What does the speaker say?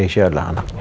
keisha adalah anaknya